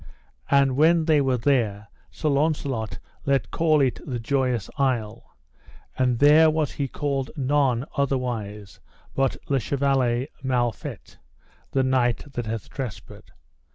And when they were there Sir Launcelot let call it the Joyous Isle; and there was he called none otherwise but Le Chevaler Mal Fet, the knight that hath trespassed.